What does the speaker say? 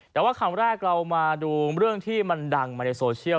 แต่ว่าคำแรกเรามาดูเรื่องที่มันดังมาในโซเชียล